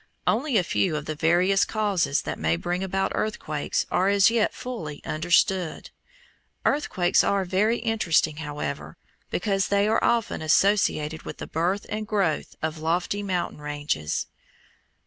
Only a few of the various causes that may bring about earthquakes are as yet fully understood. Earthquakes are very interesting, however, because they are often associated with the birth and growth of lofty mountain ranges.